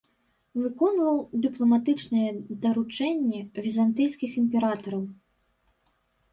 Выконваў дыпламатычныя даручэнні візантыйскіх імператараў.